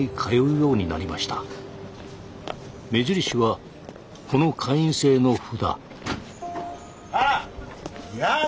目印はこの会員制の札。